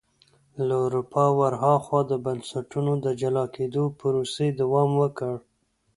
له اروپا ور هاخوا د بنسټونو د جلا کېدو پروسې دوام ورکړ.